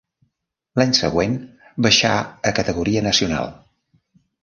L'any següent baixà a categoria nacional.